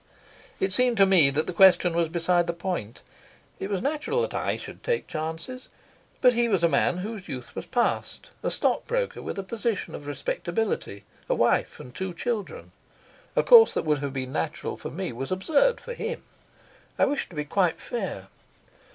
It seemed to me that the question was beside the point. It was natural that I should take chances; but he was a man whose youth was past, a stockbroker with a position of respectability, a wife and two children. A course that would have been natural for me was absurd for him. I wished to be quite fair.